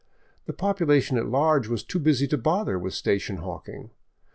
The population at large was too busy to bother with station hawk ing.